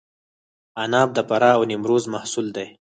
عناب د فراه او نیمروز محصول دی.